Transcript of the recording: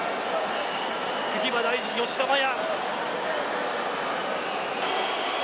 次が大事、吉田麻也。